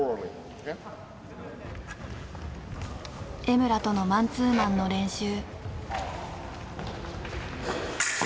江村とのマンツーマンの練習。